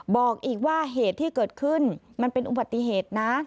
บอกอีกว่าเหตุที่เกิดขึ้นมันเป็นอุบัติเหตุนะ